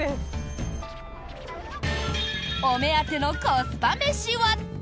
お目当てのコスパ飯は？